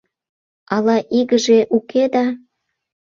Ала игыже уке да.